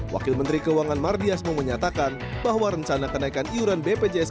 wakil menteri keuangan mardiasmu menyatakan bahwa rencana kenaikan iuran bpjs